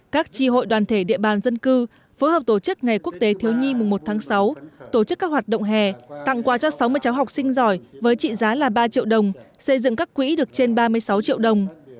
các tri hội đoàn thể địa bàn dân cư phối hợp tổ chức ngày quốc tế thiếu nhi mùng một tháng sáu tổ chức các hoạt động hè tặng quà cho sáu mươi cháu học sinh giỏi với trị giá là ba triệu đồng xây dựng các quỹ được trên ba mươi sáu triệu đồng